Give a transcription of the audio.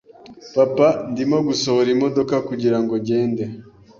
Papa, ndimo gusohora imodoka kugirango ngende.